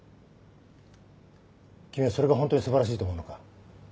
君はそれが本当に素晴らしいと思うのか？